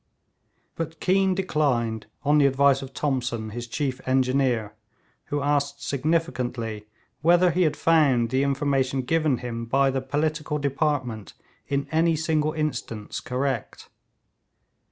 But Keane declined, on the advice of Thomson, his chief engineer, who asked significantly whether he had found the information given him by the political department in any single instance correct.